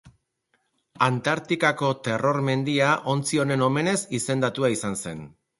Antartikako Terror mendia ontzi honen omenez izendatua izan zen.